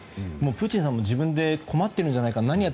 プーチンさんも自分で困っているんじゃないか。